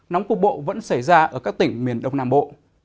nóng khu vực bộ vẫn xảy ra ở các tỉnh miền đông nam bộ